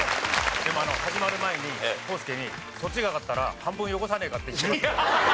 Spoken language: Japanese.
でも始まる前に浩介にそっちが勝ったら半分よこさねえかって言ってましたよ。